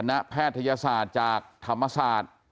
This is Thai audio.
แพทยศาสตร์จากธรรมศาสตร์